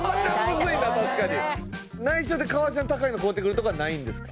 内緒で革ジャン高いの買うてくるとかはないんですか？